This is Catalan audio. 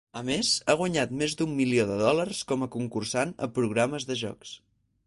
A més, ha guanyat més d'un milió de dòlars com a concursant a programes de jocs.